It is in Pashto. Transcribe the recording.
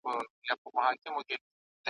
د ګودرونو د چینار سیوری مي زړه تخنوي ,